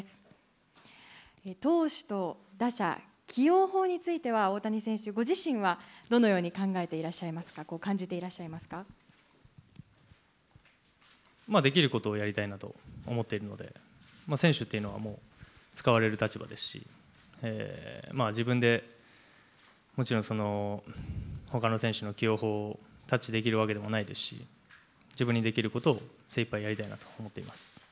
投手と打者、起用法については、大谷選手ご自身はどのように考えていらっしゃいますか、できることをやりたいなと思っているので、選手っていうのはもう、使われる立場ですし、自分でもちろん、ほかの選手の起用法をタッチできるわけでもないですし、自分にできることを精いっぱいやりたいなと思っています。